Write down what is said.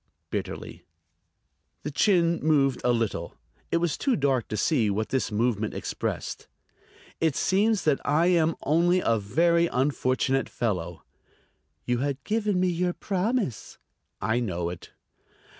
bitterly. The chin moved a little. It was too dark to see what this movement expressed. "It seems that I am only a very unfortunate fellow." "You had given me your promise." "I know it."